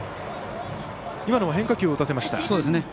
今のも変化球を打たせました。